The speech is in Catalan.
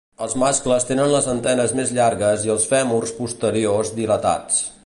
Els mascles tenen les antenes més llargues i els fèmurs posteriors dilatats.